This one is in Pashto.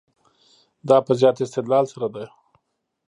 دا په زیات استدلال سره ده.